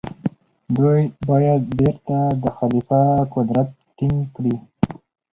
دوی باید بيرته د خليفه قدرت ټينګ کړي.